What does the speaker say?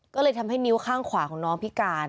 ก็เลยทำให้นิ้วข้างขวาของน้องพิการ